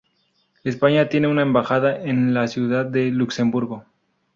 España tiene una embajada en la Ciudad de Luxemburgo.